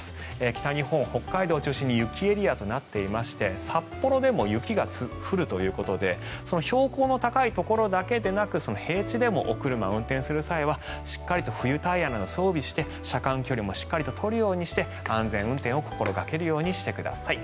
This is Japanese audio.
北日本、北海道を中心に雪エリアとなっていまして札幌でも雪が降るということで標高の高いところだけでなく平地でもお車を運転する際はしっかりと冬タイヤなど装備して車間距離もしっかりと取るようにして安全運転を心掛けるようにしてください。